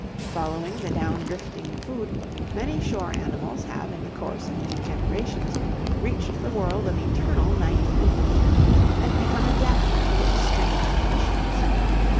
Following the down drifting food, many shore animals have in the course of many generations reached the world of eternal night and winter, and become adapted to its strange conditions.